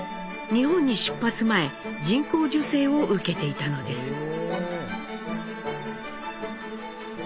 日本に出発前人工授精を受けていたのです。